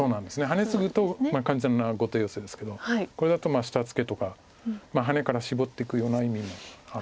ハネツグと完全な後手ヨセですけどこれだと下ツケとかハネからシボっていくような意味もあるんですけど。